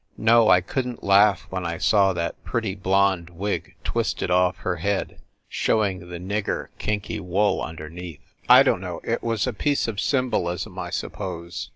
No, I couldn t laugh when I saw that pretty blonde wig twisted off her head, showing the nigger kinky wool underneath. I don t know it was a piece of sym bolism, I suppose."